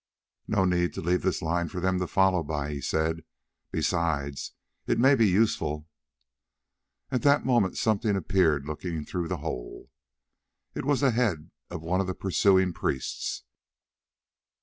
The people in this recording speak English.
"No need to leave this line for them to follow by," he said; "besides it may be useful." At that moment something appeared looking through the hole. It was the head of one of the pursuing priests.